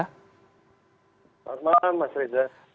selamat malam mas reza